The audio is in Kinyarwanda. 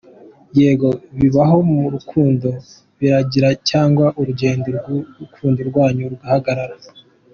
Yego, bibaho mu rukundo ko birangira cyangwa urugendo rw’urukundo rwanyu ruhagarara.